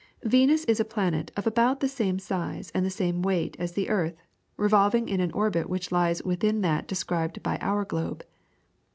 Venus is a planet of about the same size and the same weight as the earth, revolving in an orbit which lies within that described by our globe.